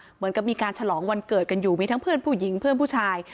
เหมือนกับมีการฉลองวันเกิดกันอยู่มีทั้งเพื่อนผู้หญิงเพื่อนผู้ชาย